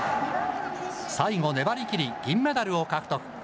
最後、粘り切り、銀メダルを獲得。